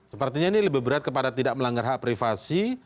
sepertinya ini lebih berat kepada tidak melanggar hak privasi